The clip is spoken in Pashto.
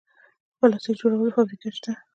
د پلاستیک جوړولو فابریکې شته